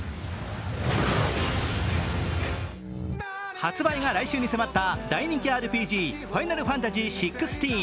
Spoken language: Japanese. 発売が来週に迫った大人気ＲＰＧ、「ファイナルファンタジーＸＶＩ」。